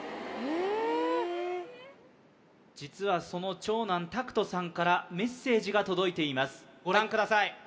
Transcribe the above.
その長男匠翔さんからメッセージが届いていますご覧ください